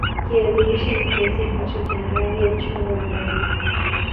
Kiazi lishe ni kiazi ambacho kina rangi ya chungwa ndani